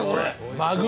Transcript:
マグロ。